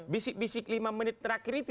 bisik bisik lima menit terakhir itu